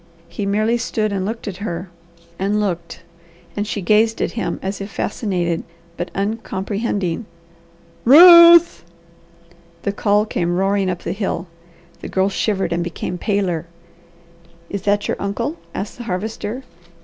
He merely stood and looked at her, and looked; and she gazed at him as if fascinated, but uncomprehending. "Ruth!" The call came roaring up the hill. The Girl shivered and became paler. "Is that your uncle?" asked the Harvester.